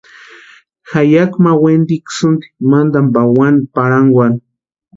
Jayaki ma wentikusïnti mantani pawani parhankwarhu.